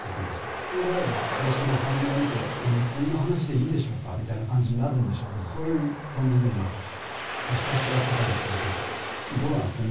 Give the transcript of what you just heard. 普通であれば聴衆の反応を見て「こんな話でいいでしょうか」みたいな感じになるんでしょうけどそういう感じでもなくどうなんですかね